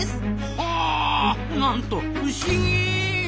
はあなんと不思議！